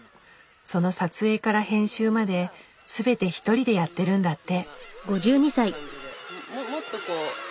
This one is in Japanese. その撮影から編集まですべて一人でやってるんだって。